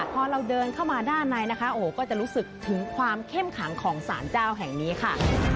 พอเราเดินเข้ามาด้านในนะคะโอ้โหก็จะรู้สึกถึงความเข้มขังของสารเจ้าแห่งนี้ค่ะ